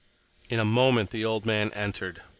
In a moment the old man entered.